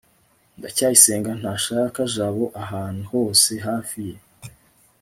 ndacyayisenga ntashaka jabo ahantu hose hafi ye